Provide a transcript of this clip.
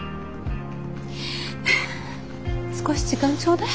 少し時間ちょうだい。